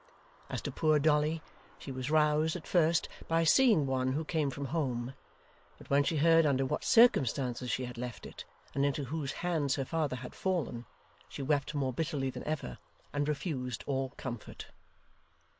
As to poor Dolly, she was roused, at first, by seeing one who came from home; but when she heard under what circumstances she had left it, and into whose hands her father had fallen, she wept more bitterly than ever, and refused all comfort.